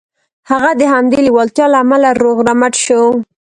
هغه د همدې لېوالتیا له امله روغ رمټ شو